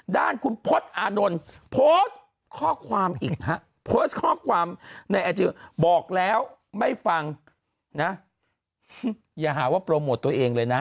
โดนโพสต์ข้อความอีกฮะโพสต์ข้อความบอกแล้วไม่ฟังนะอย่าหาว่าโปรโมทตัวเองเลยนะ